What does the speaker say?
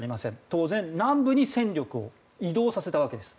当然、南部に戦力を移動させたわけです。